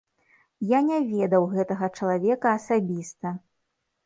Я не ведаў гэтага чалавека асабіста.